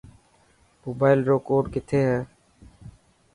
موبائل رو ڪوڊ ڪٿي هي.